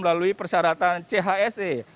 melalui persyaratan chse